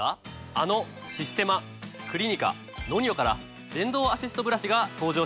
あのシステマクリニカＮＯＮＩＯから電動アシストブラシが登場したんです。